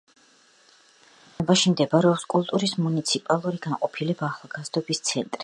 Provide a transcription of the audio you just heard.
ამჟამად შენობაში მდებარეობს კულტურის მუნიციპალური განყოფილება „ახალგაზრდობის ცენტრი“.